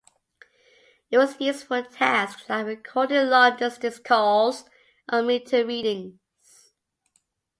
It was used for tasks like recording long distance calls or meter readings.